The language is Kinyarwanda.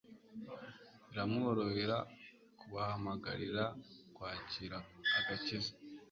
biramworohera kubahamagarira kwakira agakiza.